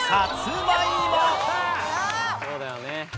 そうだよね。